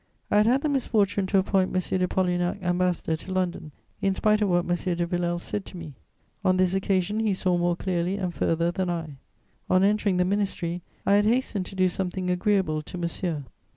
I had had the misfortune to appoint M. de Polignac Ambassador to London, in spite of what M. de Villèle said to me: on this occasion he saw more clearly and further than I. On entering the ministry, I had hastened to do something agreeable to Monsieur.